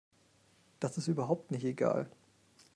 Das ist überhaupt nicht egal.